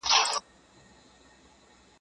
مرګي زده کړی بل نوی چم دی.